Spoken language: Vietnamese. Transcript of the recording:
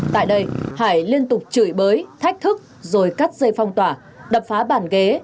tại đây hải liên tục chửi bới thách thức rồi cắt dây phong tỏa đập phá bàn ghế